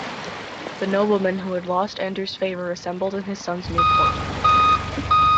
The noblemen who had lost Andrew's favor assembled in his son's new court.